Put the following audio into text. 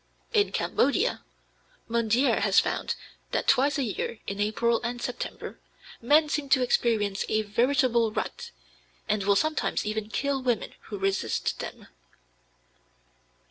In Cambodia, Mondière has found that twice a year, in April and September, men seem to experience a "veritable rut," and will sometimes even kill women who resist them.